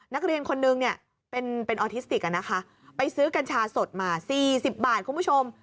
นักเรียนคนนึงเนี่ยเป็นออทิสติกไปซื้อกัญชาสดมา๔๐บาทคุณผู้ชม